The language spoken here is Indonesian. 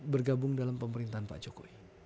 bergabung dalam pemerintahan pak jokowi